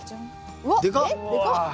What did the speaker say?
うわ！えっでかっ。